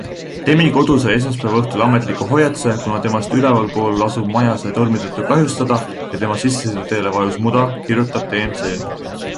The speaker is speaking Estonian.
Demi kodu sai esmaspäeva õhtul ametliku hoiatuse, kuna temast ülevalpool asuv maja sai tormi tõttu kahjustada ja tema sissesõiduteele vajus muda, kirjutab TMZ.